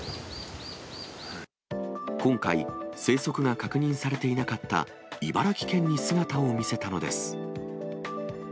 今回、生息が確認されていなかった茨城県に姿を見せたのです。